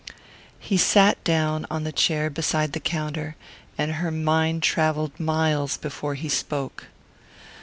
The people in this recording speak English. He sat down on the chair beside the counter, and her mind travelled miles before he spoke.